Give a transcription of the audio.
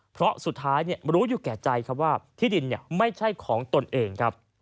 เพราะสุดท้ายรู้อยู่แก่ใจครับว่าที่ดินไม่ใช่ของตนเองครับ